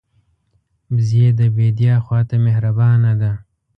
وزې د بیدیا خوا ته مهربانه ده